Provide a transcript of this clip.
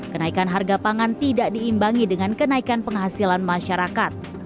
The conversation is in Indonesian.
kenaikan harga pangan tidak diimbangi dengan kenaikan penghasilan masyarakat